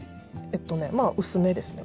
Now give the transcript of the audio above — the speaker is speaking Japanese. まあ薄めですね。